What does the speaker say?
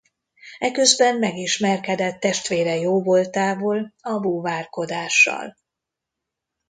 Eközben megismerkedett testvére jóvoltából a búvárkodással.